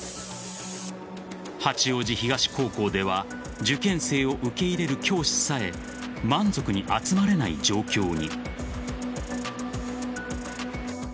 八王子東高校では受験生を受け入れる教師さえ満足に集まれない状況に。